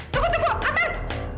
tunggu tunggu atur